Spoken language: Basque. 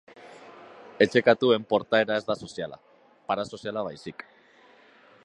Etxe-katuen portaera ez da soziala, parasoziala baizik.